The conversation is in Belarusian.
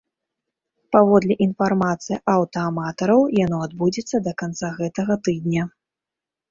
Паводле інфармацыі аўтааматараў, яно адбудзецца да канца гэтага тыдня.